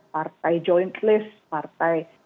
partai joint list partai yang lainnya